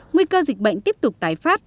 nguy cơ dịch bệnh tiếp tục tái phát